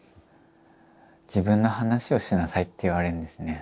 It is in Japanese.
自分の話をしなさいって言われるんですね。